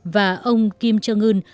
và ông kim trương ưn